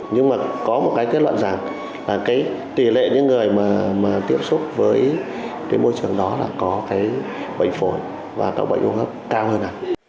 nhưng mà có một cái kết luận rằng là tỷ lệ những người mà tiếp xúc với môi trường đó là có bệnh phổi và các bệnh hô hấp cao hơn